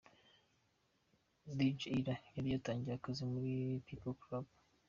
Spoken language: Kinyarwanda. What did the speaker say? Dj Ira yari yatangiye akazi muri 'Peaple club'.